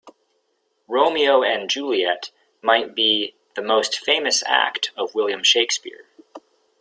Romeo and Juliet might be the most famous act of William Shakespeare.